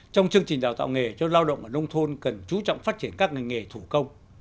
trong chương trình đào tạo nghề cho lao động ở nông thôn cần chú trọng phát triển các ngành nghề thủ công